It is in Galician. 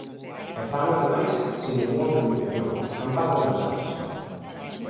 E fano, ademais, sen ningunha planificación, campando ás súas anchas.